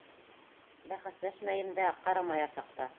Бәхәсләшмәйем дә, ҡарамаясаҡ та.